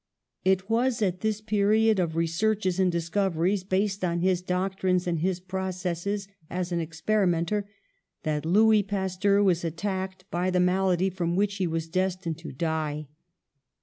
It was at this period of researches and dis coveries, based on his doctrines and his proc esses as an experimenter, that Louis Pasteur was attacked by the malady from which he was destined to die.